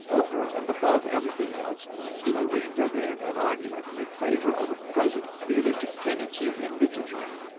Over and above anything else, you will read therein an argument in favour of the present realistic tendency in literature."